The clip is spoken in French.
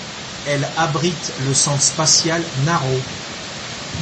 Elle abrite le centre spatial Naro.